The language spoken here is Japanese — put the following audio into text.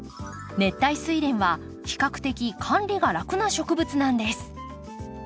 熱帯スイレンは比較的管理が楽な植物なんです。